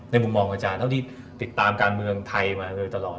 มุมมองอาจารย์เท่าที่ติดตามการเมืองไทยมาโดยตลอด